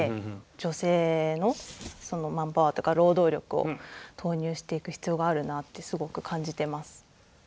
女性のマンパワーというか労働力を投入していく必要があるなってすごく感じてます。